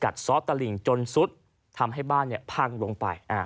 กัดซอสตระหลิงจนซุดทำให้บ้านเนี่ยพังลงไปอ่า